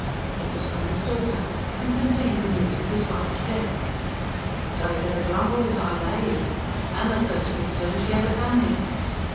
It was from his daughter, and contained the news of his wife's death. "Died o' the grumbles, I lay you! An' the first good turn she ever done me."